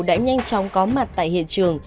đã nhanh chóng có mặt tại hiện trường